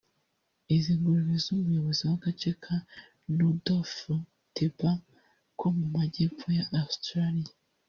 Izi ngurube z’umuyobozi w’agace ka Nußdorf Debant ko mu majyepfo ya Australia